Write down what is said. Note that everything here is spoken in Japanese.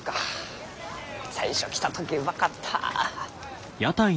最初来た時うまかった。